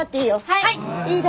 はい。